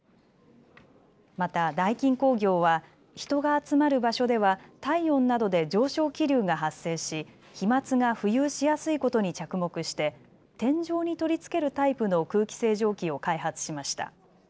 また、ダイキン工業は人が集まる場所では体温などで上昇気流が発生し、飛まつが浮遊しやすいことに着目して天井に取り付けるタイプの空気清浄機を開発しました。